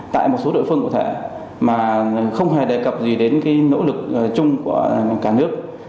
tại một số địa phương cụ thể mà không hề đề cập gì đến cái nỗ lực chung của cả nước